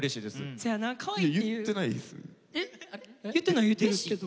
え言ってない言うてるけど。